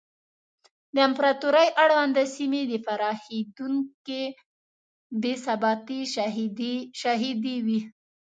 د امپراتورۍ اړونده سیمې د پراخېدونکې بې ثباتۍ شاهدې وې.